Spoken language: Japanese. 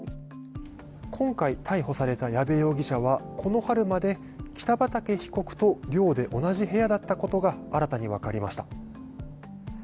今回逮捕された矢部容疑者はこの春まで北畠被告と寮で同じ部屋だったことが新たにわかりました。